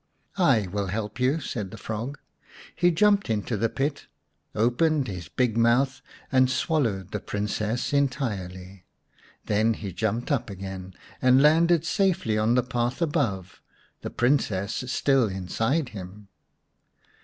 " I will help you," said the frog. He jumped into the pit, opened his big mouth and swallowed the Princess entirely. Then he jumped up again, and landed safely on the path above, the Princess still inside him.